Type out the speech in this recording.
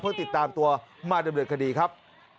เพื่อติดตามตัวมาดำเนินคดีครับ